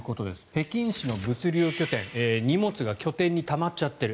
北京市の物流拠点荷物が拠点にたまっちゃってる。